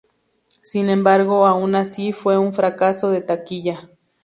Sin embargo, aun así, fue un fracaso de taquilla.